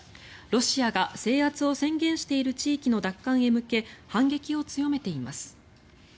ロシアが制圧を宣言している地域の奪還へ向け反撃を強めています。